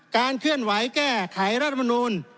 ๕การเคลื่อนไหวแก้ไขรัฐมนุม